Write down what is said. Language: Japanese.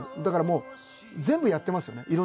だからもう全部やってますよね